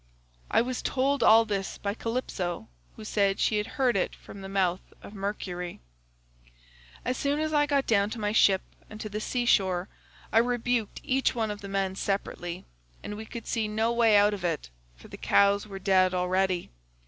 "I was told all this by Calypso, who said she had heard it from the mouth of Mercury. "As soon as I got down to my ship and to the sea shore I rebuked each one of the men separately, but we could see no way out of it, for the cows were dead already.